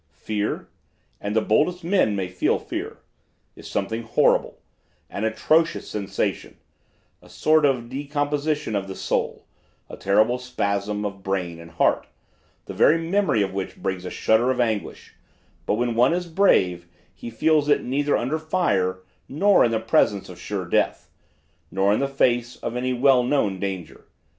Fear and the boldest men may feel fear is something horrible, an atrocious sensation, a sort of decomposition of the soul, a terrible spasm of brain and heart, the very memory of which brings a shudder of anguish, but when one is brave he feels it neither under fire nor in the presence of sure death nor in the face of any well known danger.